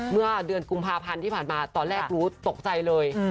เมื่อเดือนกุมภาพันธ์ที่ผ่านมาตอนแรกรู้ตกใจเลย